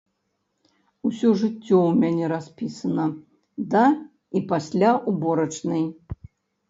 Усё жыццё ў мяне распісана да і пасля ўборачнай.